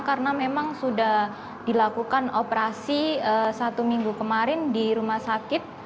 karena memang sudah dilakukan operasi satu minggu kemarin di rumah sakit